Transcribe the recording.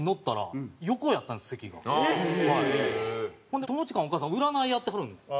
ほんで友近のお母さん占いやってはるんです。